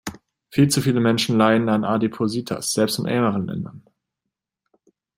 Viel zu viele Menschen leiden an Adipositas, selbst in ärmeren Ländern.